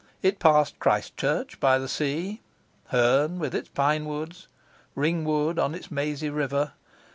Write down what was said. It passed Christchurch by the sea, Herne with its pinewoods, Ringwood on its mazy river.